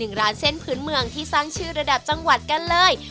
แล้วซอยลำใหญ่อีก๑ร้านเช่นพื้นเมืองที่สร้างชื่อระดับจังหวัดกันเลย